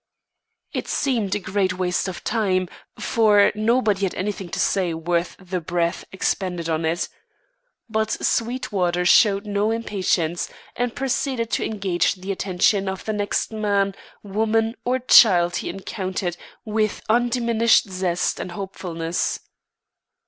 It seemed a great waste of time, for nobody had anything to say worth the breath expended on it. But Sweetwater showed no impatience, and proceeded to engage the attention of the next man, woman, or child he encountered with undiminished zest and hopefulness.